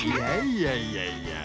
いやいやいやいや。